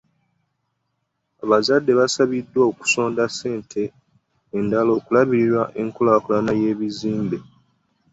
Abazadde basabiddwa okusonda ssente endala okulabirira enkulaakulana y'ebizimbe.